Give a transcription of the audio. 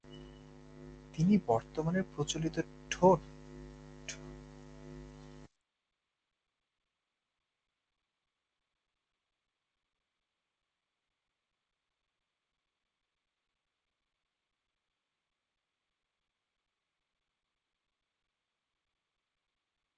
তিনি বর্তমানের প্রচলিত ঠাট কাঠামোর অন্তর্ভুক্ত করেছিলেন।